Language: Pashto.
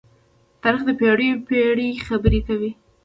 تاریخ د پېړيو پېړۍ خبرې کوي.